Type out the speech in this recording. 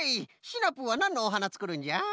シナプーはなんのおはなつくるんじゃ？